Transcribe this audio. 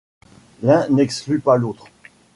L’un n’exclut pas l’autre.